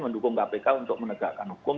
mendukung kpk untuk menegakkan hukum